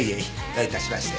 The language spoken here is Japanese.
どういたしまして。